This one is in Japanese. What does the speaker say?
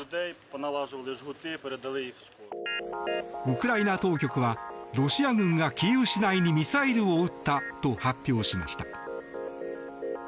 ウクライナ当局はロシア軍がキーウ市内にミサイルを撃ったと発表しました。